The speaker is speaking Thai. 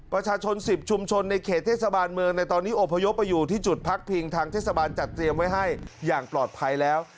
ประชาชน๑๐ชุมชนในเขตเทศบาลเมืองในตอนนี้อพยพไปอยู่ที่จุดพักพิงทางเทศบาลจัดเตรียมไว้ให้อย่างปลอดภัยแล้ว